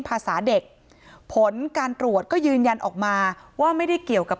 ภาษาเด็กผลการตรวจก็ยืนยันออกมาว่าไม่ได้เกี่ยวกับ